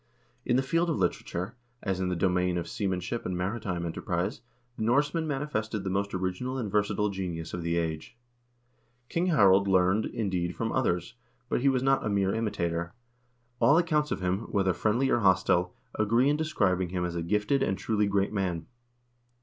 In the field of literature, as in the domain of seamanship and maritime enter prise, the Norsemen manifested the most original and versatile genius of the age. King Harald learned, indeed, from others, but he was not a mere imitator. All accounts of him, whether friendly or hos tile, agree in describing him as a gifted and truly great man.